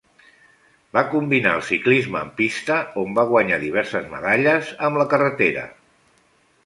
Va combinar el ciclisme en pista, on va guanyar diverses medalles, amb la carretera.